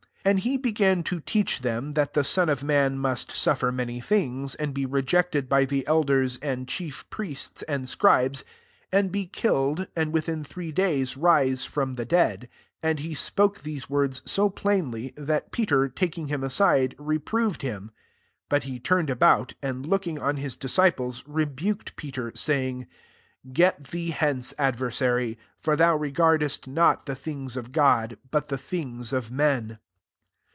31 And he began to teach them, that the Son of man must suffer many things, and be re jected by the elders and chief priests and scribes, and be kill ed, and within three days rise from the dead. 32 And he spoke these words so plainly, that Pe ter, taking him aside, reproved him. 33 But he turned about, and looking on his disciples, rebuked Peter, saying, Get thee hence, adversary : for thou regard est not the things of God, but the things of men."